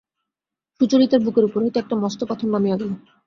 সুচরিতার বুকের উপর হইতে একটা মস্ত পাথর নামিয়া গেল।